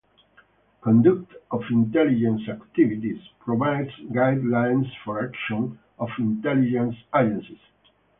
"Conduct of Intelligence Activities" provides guidelines for actions of intelligence agencies.